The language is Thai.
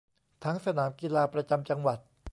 ทั้งสนามกีฬาประจำจังหวัด